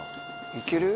いける？